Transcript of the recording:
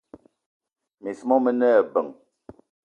Miss mo mene ebeng.